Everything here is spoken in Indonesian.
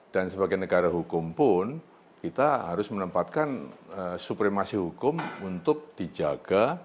dan sebagai negara hukum pun kita harus menempatkan supremasi hukum untuk dijaga